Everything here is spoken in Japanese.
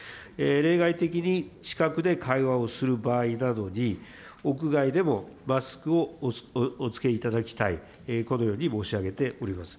例外的に近くで会話をする場合などに、屋外でもマスクをお着けいただきたい、このように申し上げております。